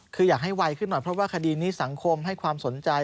คืออยากให้ไวขึ้นหน่อยเพราะว่าคดีนี้สังคมให้ความสนใจ